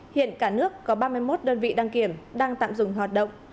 hiện cả nước có ba mươi một đơn vị đăng kiểm đang tạm dừng hoạt động